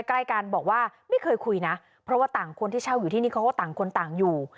ใกล้กันบอกว่าไม่เคยคุยนะเพราะว่าต่างคนที่เช่าอยู่ที่นี่เขาก็ต่างคนต่างอยู่